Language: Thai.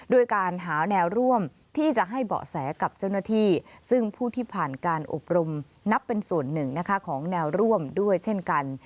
ด้วยการหาแนวร่วมที่จะให้เบาะแสกับเจ้าหน้าที่ซึ่งผู้ที่ผ่านการอบรมนับเป็นส่วนหนึ่งนะคะของแนวร่วมด้วยเช่นกัน